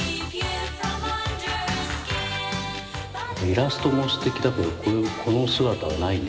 イラストもすてきだけどこの姿はないね。